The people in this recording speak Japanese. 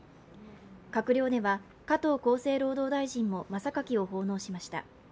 閣僚では、加藤厚生労働大臣もまさかきを奉納しました。